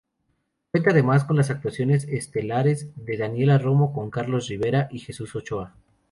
Cuenta además con las actuaciones estelares de Daniela Romo, Carlos Rivera y Jesús Ochoa.